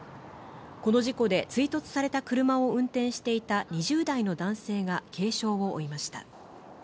この事故で追突された車を運転していた２０代の男性が軽傷を負いました。